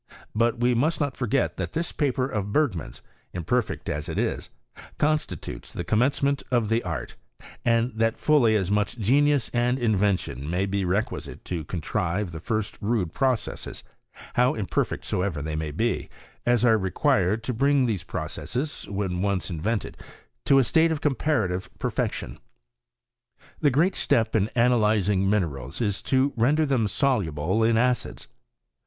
But we must not forget that this paper of Bergman's, im perfect as it is, constitutes the commencement of tb^ art, and that fully as much genius and invention may be requisite to contrive the first rude processes, how imperfect soever they may be, as are required to bring these processes when once invented to a PROGRESS OF CHEMISTRY IN SWEDEN. 47 state of comparative perfection. The great step in analyzing minerals is to render them soluble in acids.